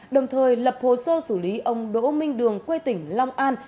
đồng thời lập hồ sơ xử lý ông đỗ minh đường quê tỉnh long an